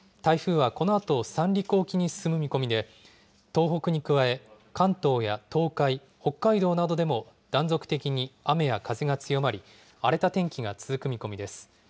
台風はこのあと三陸沖に進む見込みで、東北に加え、関東や東海、北海道などでも断続的に雨や風が強まり、荒れた天気が続く見込みです。